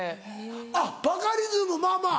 あっバカリズムまぁまぁ